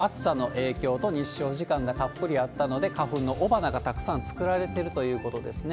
理由としましては、ことしの記録的な暑さの影響と、日照時間がたっぷりあったので、花粉の雄花がたくさん作られてるということですね。